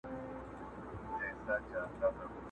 په خبرو په کیسو ورته ګویا سو!!